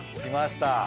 きました！